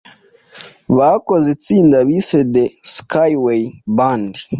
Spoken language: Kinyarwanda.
bakoze itsinda bise The Skyway Band